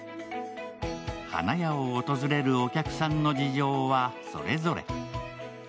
花屋を訪れるお客さんの事情はそれぞれ。